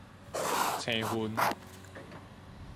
生份